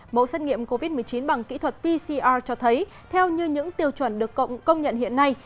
mẫu xét nghiệm covid một mươi chín bằng kỹ thuật pcr cho thấy theo như những tiêu chuẩn được công nhận hiện nay